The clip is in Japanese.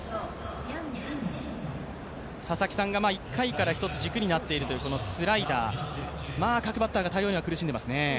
佐々木さんが１回からひとつ軸になっているというスライダー各バッターが対応には苦しんでいますね。